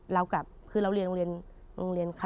เรากลับคือเราเรียนโรงเรียน